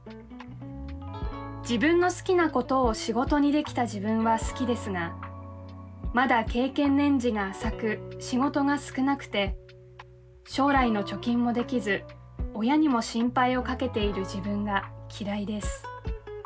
自分の好きなことを仕事にできた自分は好きですがまだ経験年次が浅く仕事が少なくて将来の貯金もできず親にも心配をかけている自分が嫌いです。